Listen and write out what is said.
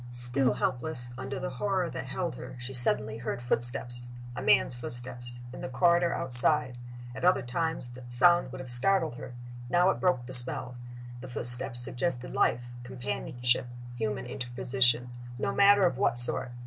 Still helpless, under the horror that held her, she suddenly heard footsteps a man's footsteps in the corridor outside. At other times the sound would have startled her: now it broke the spell. The footsteps suggested life, companionship, human interposition no matter of what sort.